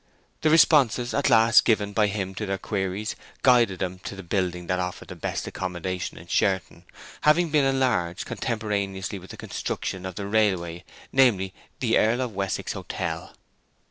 The responses at last given by him to their queries guided them to the building that offered the best accommodation in Sherton—having been enlarged contemporaneously with the construction of the railway—namely, the Earl of Wessex Hotel.